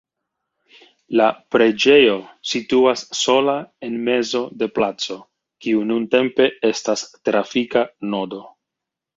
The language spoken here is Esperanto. La preĝejo situas sola en mezo de placo, kiu nuntempe estas trafika nodo.